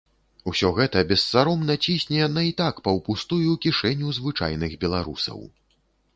Усё гэта бессаромна цісне на і так паўпустую кішэню звычайных беларусаў.